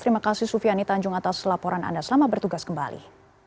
terima kasih sufiani tanjung atas laporan anda selamat bertugas kembali